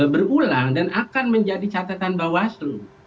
berulang dan akan menjadi catatan bawaslu